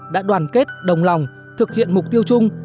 đã đoàn kết đồng lòng thực hiện mục tiêu chung